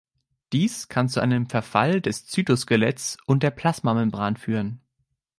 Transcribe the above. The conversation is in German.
Dies kann zu einem Verfall des Cytoskeletts und der Plasmamembran führen.